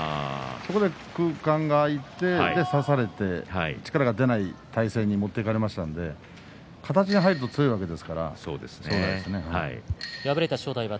そこで空間が空いて差されて力が出ない体勢に持っていかれましたので形が入ると強いわけですから正代は。